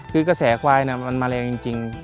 คือกระแสควายมันมาแรงจริง